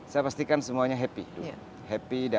saya pastikan semuanya happy